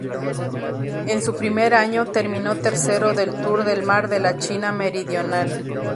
En su primer año, terminó tercero del Tour del Mar de la China Meridional.